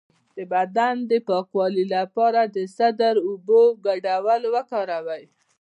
د بدن د پاکوالي لپاره د سدر او اوبو ګډول وکاروئ